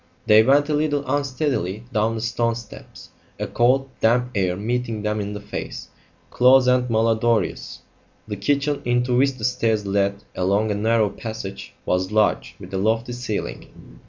They went a little unsteadily down the stone steps, a cold, damp air meeting them in the face, close and mal odorous. The kitchen, into which the stairs led along a narrow passage, was large, with a lofty ceiling.